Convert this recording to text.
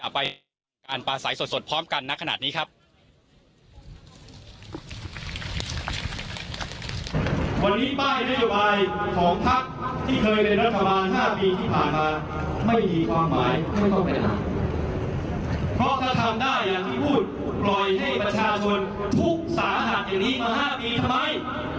เพราะถ้าทำได้อย่างที่พูดปล่อยให้ประชาชนทุกสาหัสอย่างนี้มาห้าปีทำไม